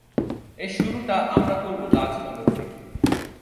এর শুরুটা আমরা করব রাজ নগর থেকে।